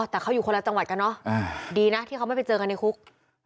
แต่เขาอยู่คนละจังหวัดกันเนอะดีนะที่เขาไม่ไปเจอกันในคุก